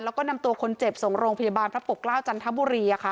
แล้วก็นำตัวคนเจ็บส่งโรงพยาบาลพระปกเกล้าจันทบุรี